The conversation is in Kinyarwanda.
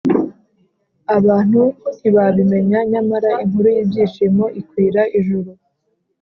Abantu ntibabimenya, nyamara inkuru y’ibyishimo ikwira ijuru